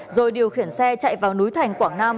rồi điều khiển xe chạy vào núi thành quảng nam